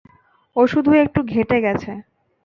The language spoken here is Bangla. ও শুধু একটু ঘেঁটে গেছে।